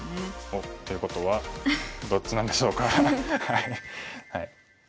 おっ！ということはどっちなんでしょうか。